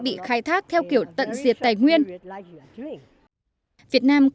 việt nam cũng là một trong năm nước